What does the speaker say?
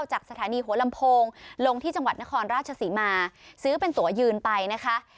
จากสถานีหัวลำโพงลงที่จังหวัดนครราชศรีมาซื้อเป็นตัวยืนไปนะคะ